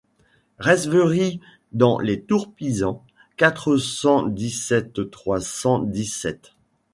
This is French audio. Resveries dans les tours Pisan quatre cent dix-sept trois cent dix-sept.